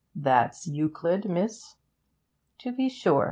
'That's Euclid, miss?' 'To be sure.